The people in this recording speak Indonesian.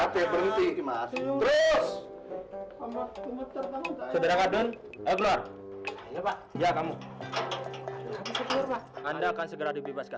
tuh itu kan selalu adik